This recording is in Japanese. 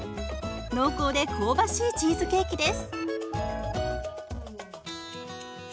濃厚で香ばしいチーズケーキです。